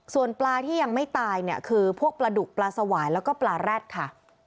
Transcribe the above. ส่วนปลาที่ยังไม่ตายเนี่ยคือพวกปลาดุกปลาสวายแล้วก็ปลาแร็ดค่ะ